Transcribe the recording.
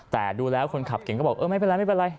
แต่ดูแล้วคนขับเก๋งก็บอกเออไม่เป็นไร